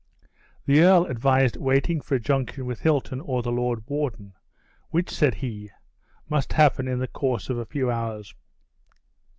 The earl advised waiting for a junction with Hilton or the lord warden, "which," said he, "must happen in the course of a few hours."